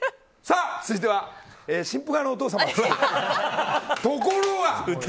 続いては新婦側のお父様。